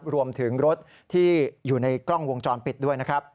รวมถึงรถที่อยู่ในกล้องวงจรปิดด้วยนะครับ